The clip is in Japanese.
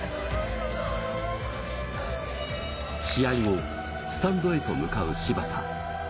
試合後、スタンドへと向かう柴田。